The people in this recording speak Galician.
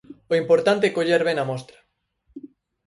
O importante é coller ben a mostra.